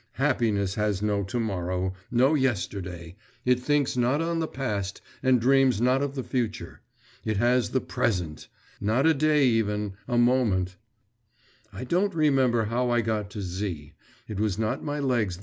Happiness has no to morrow, no yesterday; it thinks not on the past, and dreams not of the future; it has the present not a day even a moment. I don't remember how I got to Z.